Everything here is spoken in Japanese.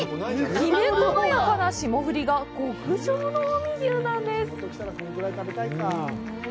きめ細やかな霜降りが極上の近江牛なんです。